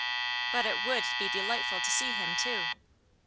But it would be delightful to see him, too.